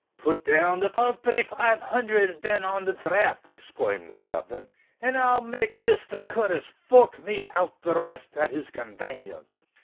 "Put down the palthry five hunthred, then, on the dhraft," exclaimed the Captain; "and I'll make Misther Curtis fork me out the rest at his convaynience."